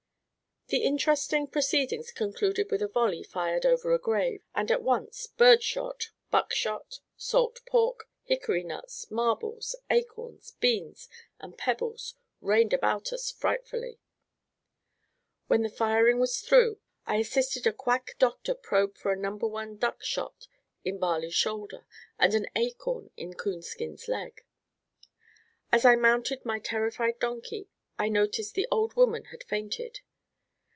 The interesting proceedings concluded with a volley fired over a grave, and at once bird shot, buck shot, salt pork, hickory nuts, marbles, acorns, beans, and pebbles rained about us frightfully. When the firing was through, I assisted a quack doctor probe for a number one duck shot in Barley's shoulder and an acorn in Coonskin's leg. As I mounted my terrified donkey, I noticed the old woman had fainted.